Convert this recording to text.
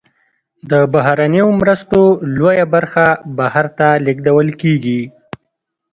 د بهرنیو مرستو لویه برخه بهر ته لیږدول کیږي.